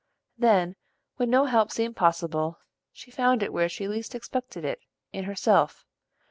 Then, when no help seemed possible, she found it where she least expected it, in herself.